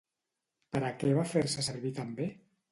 Per a què va fer-se servir també?